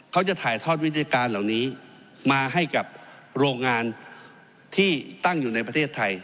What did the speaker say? เขาจะถ่ายทอดวิธีการเหล่านี้มาให้กับโรงงานที่ตั้งอยู่ในประเทศไทย